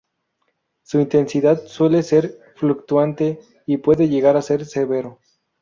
Su intensidad suele ser fluctuante y puede llegar a ser severo.